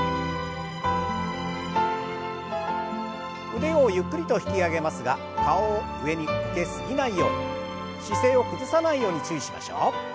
腕をゆっくりと引き上げますが顔を上に向け過ぎないように姿勢を崩さないように注意しましょう。